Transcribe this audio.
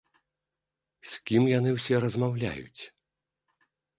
З кім яны ўсе размаўляюць?